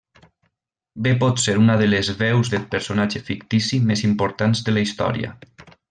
Bé pot ser una de les veus de personatge fictici més importants de la història.